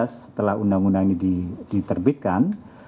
dua ribu delapan belas setelah undang undang ini diterbitkan